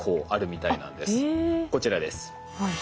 こちらです。